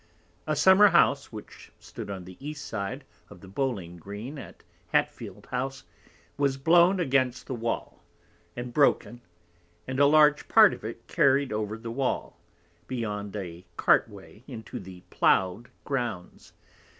A Summer house which stood on the East side of the Bowling green at Hatfield House, was blown against the Wall, and broken, and a large part of it carried over the Wall, beyond a Cartway into the plowed Grounds.